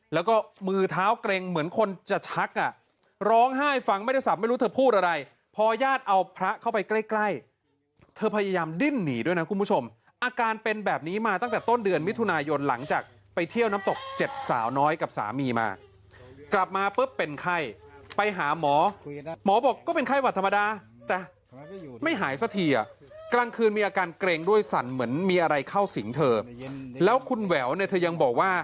แล้วก็มือเท้าเกรงเหมือนคนจะชักอ่ะร้องไห้ฟังไม่ได้สับไม่รู้เธอพูดอะไรพอญาติเอาพระเข้าไปใกล้เธอพยายามดิ้นหนีด้วยนะคุณผู้ชมอาการเป็นแบบนี้มาตั้งแต่ต้นเดือนมิถุนายนหลังจากไปเที่ยวน้ำตกเจ็ดสาวน้อยกับสามีมากลับมาเปิ๊บเป็นไข้ไปหาหมอหมอบอกก็เป็นไข้หวัดธรรมดาแต่ไม่หายสักทีอ่ะกลางค